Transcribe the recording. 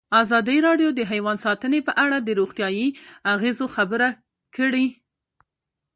ازادي راډیو د حیوان ساتنه په اړه د روغتیایي اغېزو خبره کړې.